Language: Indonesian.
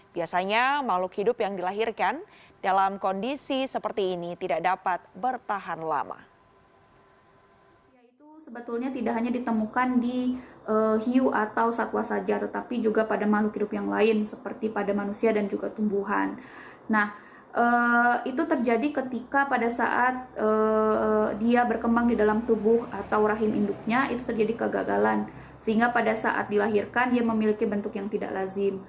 biasanya makhluk hidup yang dilahirkan dalam kondisi seperti ini tidak dapat bertahan lama